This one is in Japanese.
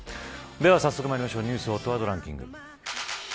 では早速まいりましょうニュースＨＯＴワードランキング。